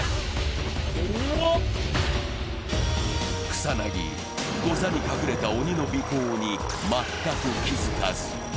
草薙、ござに隠れた鬼の尾行に全く気づかず。